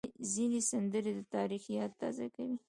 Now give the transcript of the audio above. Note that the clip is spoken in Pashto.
ځینې سندرې د تاریخ یاد تازه کوي.